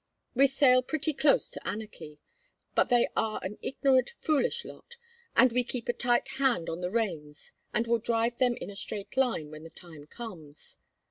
We sail pretty close to anarchy; but they are an ignorant foolish lot, and we keep a tight hand on the reins and will drive them in a straight line when the time comes.